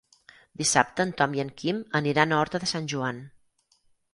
Dissabte en Tom i en Quim aniran a Horta de Sant Joan.